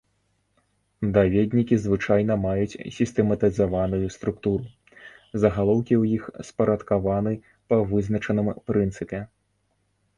Даведнікі звычайна маюць сістэматызаваную структуру, загалоўкі ў іх спарадкаваны па вызначаным прынцыпе.